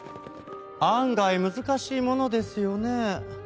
案外難しいものですよね。